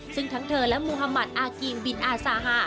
ซึ่งทั้งเธอและมุธมัติอากิมบินอาซาฮา